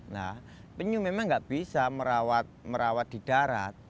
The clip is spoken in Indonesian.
nah penyu memang nggak bisa merawat di darat